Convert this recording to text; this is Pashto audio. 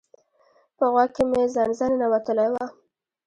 په غوږ کی می زنځه ننوتلی وه